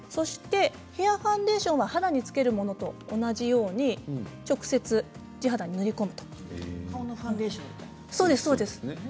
ヘアファンデーションは肌に付けるものと同じように直接地肌に塗り込むんです。